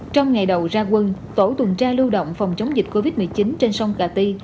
trong ngày đầu ra quân tổ tuần tra lưu động phòng chống dịch covid một mươi chín trên sông cà ti